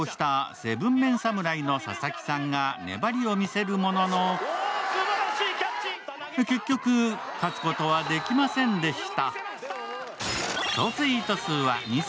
７ＭＥＮ侍の佐々木さんが粘りを見せるものの結局、勝つことはできませんでした。